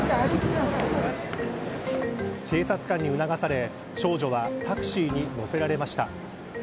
警察官に促され、少女はタクシーに乗せられました。